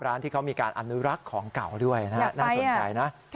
ร้านที่เขามีการอนุรักษ์ของเก่าด้วยนะฮะน่าสนใจนะ